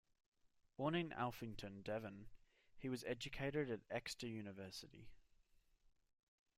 Born in Alphington, Devon, he was educated at Exeter University.